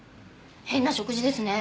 変な食事ですね。